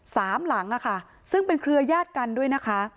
สามหลังอ่ะค่ะซึ่งเป็นเครือญาติกันด้วยนะคะ